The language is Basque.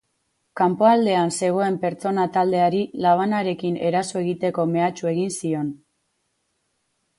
Kanpoaldean zegoen pertsona taldeari labanarekin eraso egiteko mehatxu egin zion.